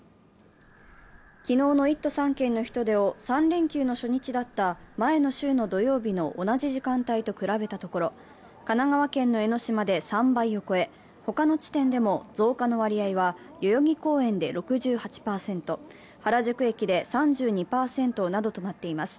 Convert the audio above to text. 昨日の１都３県の人出を３連休の初日だった前の週の土曜日の同じ時間帯と比べたところ神奈川県の江の島で３倍を超え、他の地点でも増加の割合は代々木公園で６８％、原宿駅で３２％などとなっています。